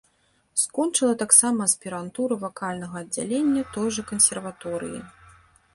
Скончыла таксама аспірантуру вакальнага аддзялення той жа кансерваторыі.